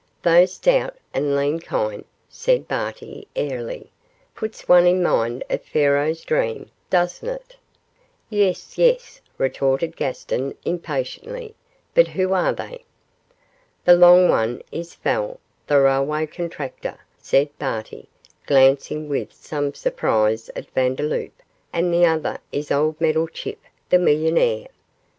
'Those stout and lean kine,' said Barty, airily, 'puts one in mind of Pharaoh's dream, doesn't it?' 'Yes, yes!' retorted Gaston, impatiently; 'but who are they?' 'The long one is Fell, the railway contractor,' said Barty, glancing with some surprise at Vandeloup, 'and the other is old Meddlechip, the millionaire.